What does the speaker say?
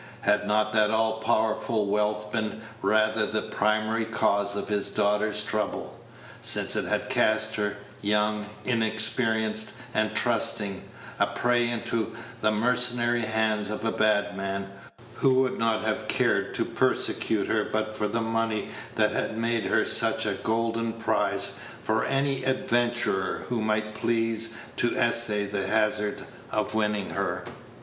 Had not that all powerful wealth been rather the primary cause of his daughter's trouble, since it had cast her, young, inexperienced, and trusting, a prey into the mercenary hands of a bad man, who would not have cared to persecute her but for the money that had made her such a golden prize for any adventurer who might please to essay the hazard of winning her?